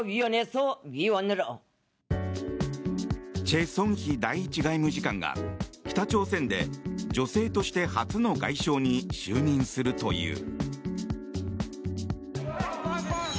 チェ・ソンヒ第１外務次官が北朝鮮で女性として初の外相に就任するという。